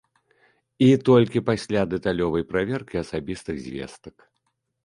І толькі пасля дэталёвай праверкі асабістых звестак.